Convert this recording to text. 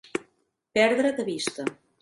Perdre de vista.